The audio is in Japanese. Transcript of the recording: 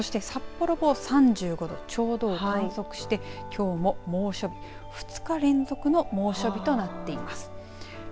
そして札幌も３５度ちょうどを観測してきょうも猛暑日２日連続の猛暑日となっています。